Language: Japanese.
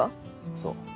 そう。